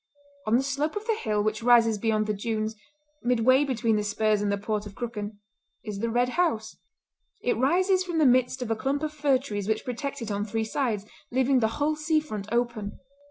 On the slope of the hill which rises beyond the dunes, midway between the Spurs and the Port of Crooken, is the Red House. It rises from the midst of a clump of fir trees which protect it on three sides, leaving the whole sea front open.